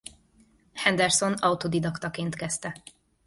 Henderson autodidaktaként kezdte.